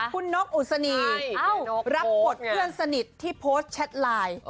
คุณนกอุศนีรับบทเพื่อนสนิทที่โพสต์แชทไลน์